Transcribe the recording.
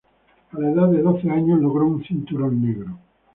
A la edad de doce años, logró un cinturón negro.